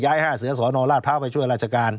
ย้ายห้าเสือสนราชพาวไปช่วยราชการ